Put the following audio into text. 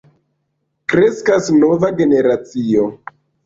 Kreskas nova generacio.